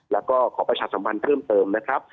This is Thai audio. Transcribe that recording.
แล้วก็ขอประชาสัมพันธ์เพิ่มเติมนะครับ